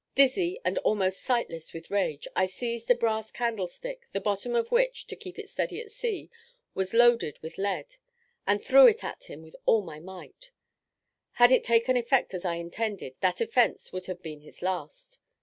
Dizzy, and almost sightless with rage, I seized a brass candlestick, the bottom of which (to keep it steady at sea) was loaded with lead, and threw it at him with all my might; had it taken effect as I intended, that offence would have been his last.